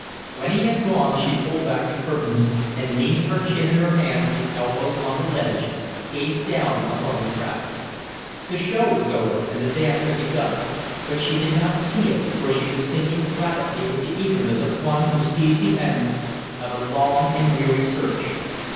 When he had gone she pulled back the curtains, and, leaning her chin in her hands, with elbows on the ledge, gazed down upon the crowd. The show was over and the dance had begun, but she did not see it, for she was thinking rapidly with the eagerness of one who sees the end of a long and weary search.